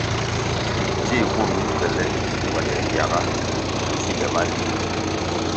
Dzih vur mi nkuele kuande biaga na zinde maliwuh.